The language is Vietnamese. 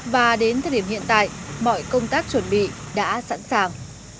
và đến thời điểm hiện tại mọi công tác chuẩn bị đã sẵn sàng